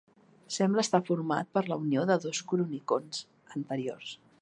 Sembla estar format per la unió de dos cronicons anteriors.